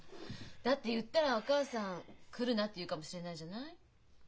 だって言ったらお義母さん「来るな」って言うかもしれないじゃない。